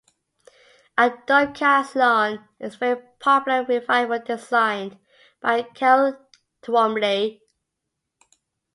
Adobe Caslon is a very popular revival designed by Carol Twombly.